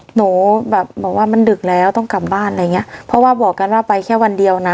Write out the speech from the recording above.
หนูแบบบอกว่ามันดึกแล้วต้องกลับบ้านอะไรอย่างเงี้ยเพราะว่าบอกกันว่าไปแค่วันเดียวนะ